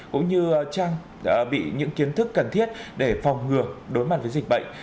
cũng như trang bị những kiến thức cần thiết để phòng ngừa đối mặt với dịch bệnh